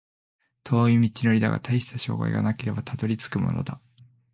遠い道のりだが、たいした障害がなければたどり着くものだ